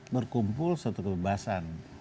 berkumpul satu kebebasan